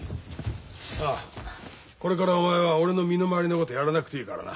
ああこれからお前は俺の身の回りのことやらなくていいからな。